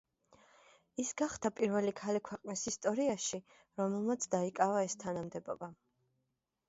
ის გახდა პირველი ქალი ქვეყნის ისტორიაში, რომელმაც დაიკავა ეს თანამდებობა.